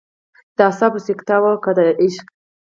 د اعصابو سکته وه او که د عشق.